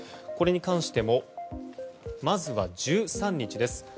これに関してもまずは１３日です。